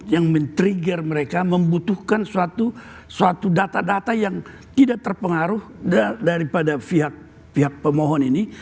yang men trigger mereka membutuhkan suatu data data yang tidak terpengaruh daripada pihak pemohon ini